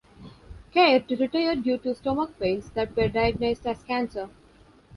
Caird retired due to stomach pains that were diagnosed as cancer.